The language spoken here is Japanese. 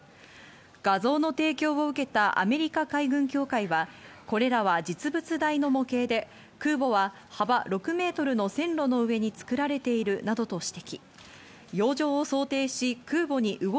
画像の提供を受けたアメリカ海軍協会は、これらは実物大の模型で空母は幅６ｍの線路の上に作られているなどと指摘。